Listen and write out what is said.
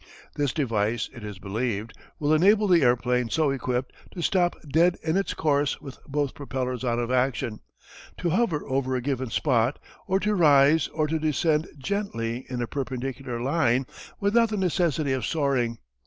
This device, it is believed, will enable the airplane so equipped to stop dead in its course with both propellers out of action, to hover over a given spot or to rise or to descend gently in a perpendicular line without the necessity of soaring.